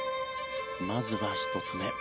まずは１つ目